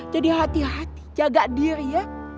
jadi hati hati jaga diri ya